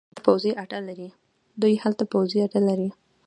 دوی هلته پوځي اډې لري.